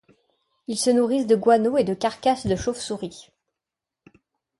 Ils se nourrissent de guano et de carcasses de chauves-souris.